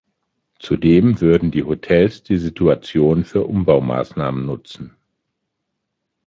Zudem würden die Hotels die Situation für Umbaumaßnahmen nutzen.